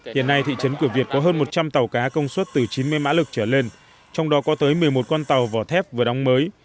hiện nay thị trấn cửa việt có hơn một trăm linh tàu cá công suất từ chín mươi mã lực trở lên trong đó có tới một mươi một con tàu vỏ thép vừa đóng mới